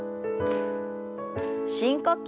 深呼吸。